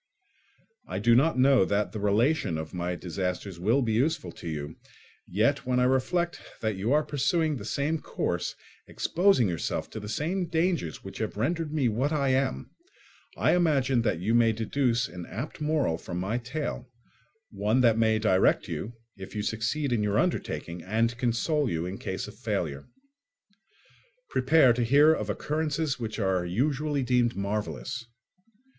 I do not know that the relation of my disasters will be useful to you; yet, when I reflect that you are pursuing the same course, exposing yourself to the same dangers which have rendered me what I am, I imagine that you may deduce an apt moral from my tale, one that may direct you if you succeed in your undertaking and console you in case of failure. Prepare to hear of occurrences which are usually deemed marvellous.